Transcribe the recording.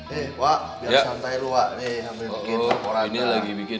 saya akan membantu bebasannya dari sini